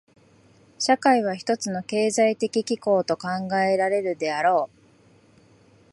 社会は一つの経済的機構と考えられるであろう。